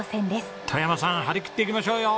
外山さん張り切っていきましょうよ。